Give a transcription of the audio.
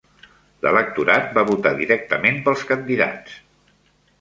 L'electorat va votar directament pels candidats.